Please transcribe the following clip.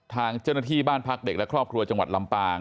ทางเจ้าหน้าที่บ้านพักเด็กและครอบครัวจังหวัดลำปาง